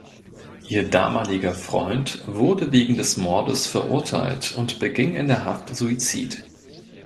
Ihr damaliger Freund wurde wegen des Mordes verurteilt und beging in der Haft Suizid.